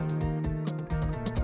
selamat makan siang